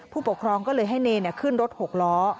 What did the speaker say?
ผู้ปกครองก็เลยให้เนรขึ้นรถ๖ล้อ